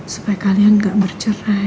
supaya kalian gak bercerai